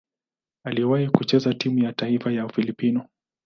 Aliwahi kucheza timu ya taifa ya Ufilipino.